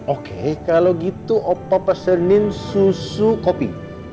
oke kalau gitu opa pesenin susu kopi